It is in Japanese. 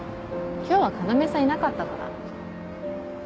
今日は要さんいなかったから。